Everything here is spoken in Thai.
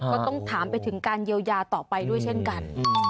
ก็ต้องถามไปถึงการเยียวยาต่อไปด้วยเช่นกัน